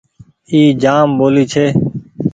اي جآم ٻولي ڇي ۔